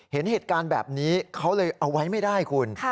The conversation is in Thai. เห็นเหตุการณ์แบบนี้เขาเลยเอาไว้ไม่ได้คุณ